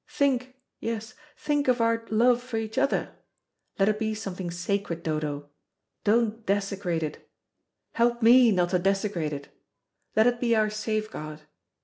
Think, yes, think of our love for each other. Let it be something sacred, Dodo. Don't desecrate it. Help me not to desecrate it. Let it be our safeguard.